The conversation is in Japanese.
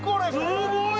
すごい。